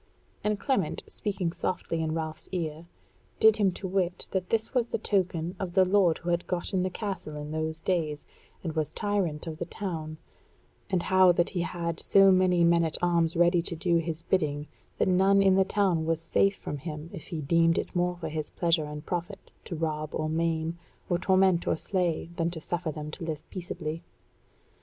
And Clement, speaking softly in Ralph's ear, did him to wit that this was the token of the lord who had gotten the castle in those days, and was tyrant of the town; and how that he had so many men at arms ready to do his bidding that none in the town was safe from him if he deemed it more for his pleasure and profit to rob or maim, or torment or slay, than to suffer them to live peaceably.